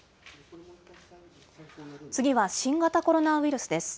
次は新型コロナウイルスです。